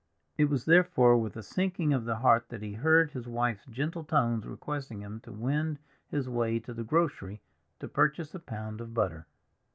It was therefore with a sinking of the heart that he heard his wife's gentle tones requesting him to wend his way to the grocery to purchase a pound of butter.